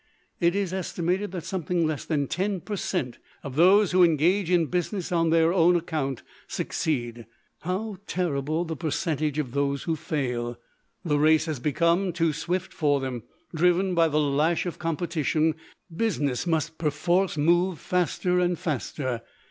It is estimated that something less than ten per cent. of those who engage in business on their own account succeed. How terrible the percentage of those who fail! The race has become too swift for them. Driven by the lash of competition, business must perforce move faster and faster.